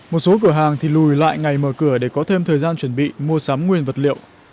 một số cửa hàng thì lùi lại ngày mở cửa để có thêm thời gian chuẩn bị mua sắm nguyên vật liệu